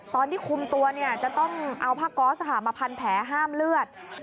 ตอนที่คุมตัวจะต้องเอาผ้าก๊อสมาพันแผลห้ามเลือด